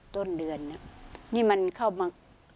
ต้นเดือนเนี่ยนี่มันเข้ามา